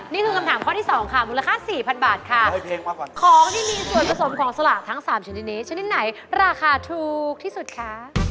นี่คือคำถามข้อที่สองค่ะมูลค่าสี่พันบาทค่ะของที่มีส่วนผสมของสละทั้ง๓ชนิดนี้ชนิดไหนราคาถูกที่สุดคะ